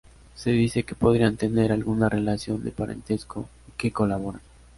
Se dice que podrían tener alguna relación de parentesco y que colaboraran.